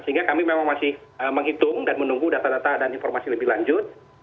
sehingga kami memang masih menghitung dan menunggu data data dan informasi lebih lanjut